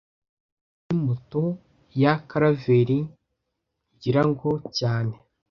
Iyi ni moto ya Karaveri, ngira ngo cyane